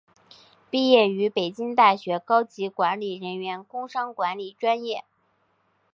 毕业于北京大学高级管理人员工商管理专业。